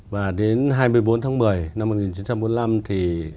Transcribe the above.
và đến hai mươi bốn tháng một mươi năm một nghìn chín trăm bốn mươi năm thì